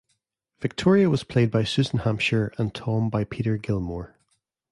Victoria was played by Susan Hampshire and Tom by Peter Gilmore.